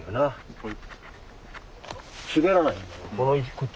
はい。